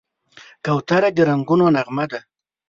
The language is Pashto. کوتره د رنګونو نغمه ده.